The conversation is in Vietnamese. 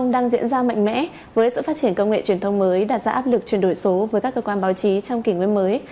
đang diễn ra mạnh mẽ với sự phát triển công nghệ truyền thông mới đạt ra áp lực chuyển đổi số với các cơ quan báo chí trong kỷ nguyên mới